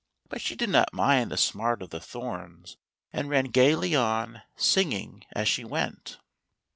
But she did not mind the smart of the thorns, and ran gayly on, singing as she went.